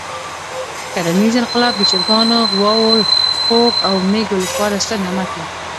کرنیز انقلاب د چرګانو، غواوو، خوګ او مېږو لپاره ستر نعمت وو.